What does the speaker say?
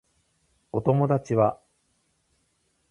お友達は